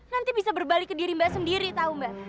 nanti bisa berbalik ke diri mbak sendiri tau mbak